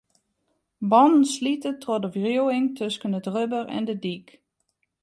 Bannen slite troch de wriuwing tusken it rubber en de dyk.